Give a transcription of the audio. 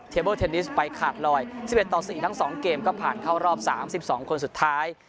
เทมเบิลเทนนิสไปขาดลอยสิบเอ็ดต่อสี่ทั้งสองเกมก็ผ่านเข้ารอบสามสิบสองคนสุดท้าย